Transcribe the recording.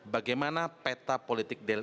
bagaimana peta politik